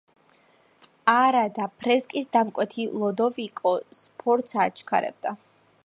არადა, ფრესკის დამკვეთი ლოდოვიკო სფორცა აჩქარებდა.